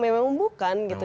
memang bukan gitu